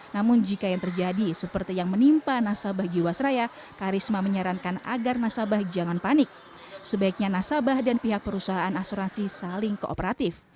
namun jika yang terjadi seperti yang menimpa nasabah jiwasraya karisma menyarankan agar nasabah jangan panik sebaiknya nasabah dan pihak perusahaan asuransi saling kooperatif